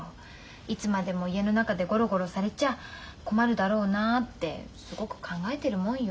いつまでも家の中でゴロゴロされちゃ困るだろうなってすごく考えてるもんよ。